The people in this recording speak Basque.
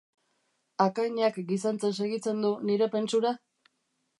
Akainak gizentzen segitzen du nire pentsura?